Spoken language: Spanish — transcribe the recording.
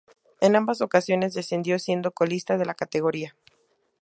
En ambas ocasiones descendió siendo colista de la categoría.